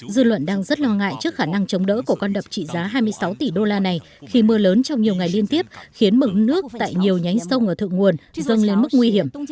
dư luận đang rất lo ngại trước khả năng chống đỡ của con đập trị giá hai mươi sáu tỷ đô la này khi mưa lớn trong nhiều ngày liên tiếp khiến mực nước tại nhiều nhánh sông ở thượng nguồn dâng lên mức nguy hiểm